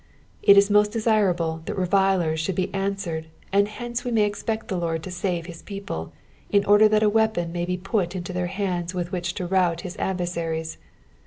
It is most desirable that revilers should be answered, and hence we may expect the Lord to save his people in order that a weapon may be put into their hands with which to rout his adversaries.